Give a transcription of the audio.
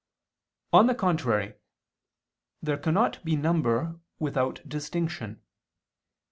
On the contrary, There cannot be number without distinction.